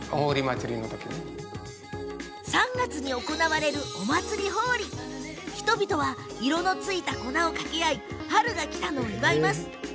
３月に行われるお祭りホーリー色のついた粉をかけ合い春が来たことを祝います。